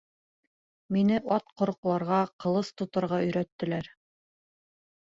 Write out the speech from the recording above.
— Мине ат ҡороҡларға, ҡылыс тоторға өйрәттеләр.